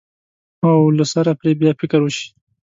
او له سره پرې بیا فکر وشي.